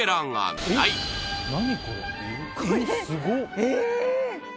えっ！？